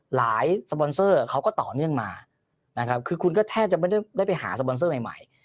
สปอนเซอร์เขาก็ต่อเนื่องมานะครับคือคุณก็แทบจะไม่ได้ไปหาสปอนเซอร์ใหม่